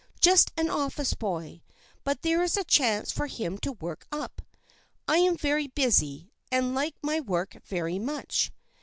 Just an office boy, but there is a chance for him to work up. I am very busy, and like my work very much.